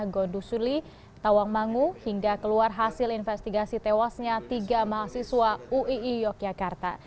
godusuli tawangmangu hingga keluar hasil investigasi tewasnya tiga mahasiswa uii yogyakarta